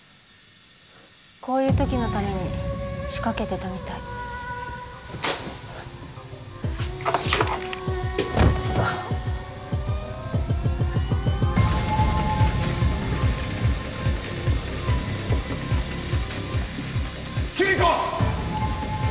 こういう時のために仕掛けてたみたいキリコ！